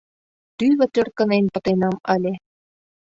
Тӱвыт ӧркынен пытенам ыле...